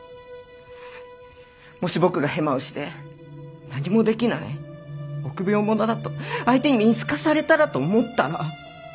もし僕がヘマをして「何もできない臆病者だ」と相手に見透かされたらと思ったら。